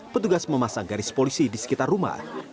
petugas memasang garis polisi di sekitar rumah